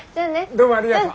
どうもありがとう。